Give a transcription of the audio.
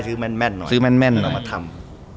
ซื้อแม่นเอามาทำ